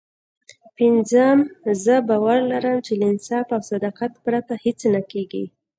پينځم زه باور لرم چې له انصاف او صداقت پرته هېڅ نه کېږي.